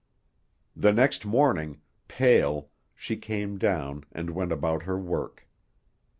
The next morning, pale, she came down and went about her work.